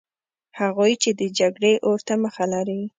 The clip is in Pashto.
هغوی چې د جګړې اور ته مخه لري.